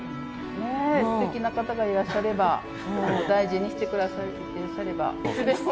ねえすてきな方がいらっしゃれば大事にして下さる方がいらっしゃればいつでも。